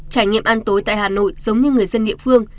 trải nghiệm ăn tối tại hà nội giống như người dân địa phương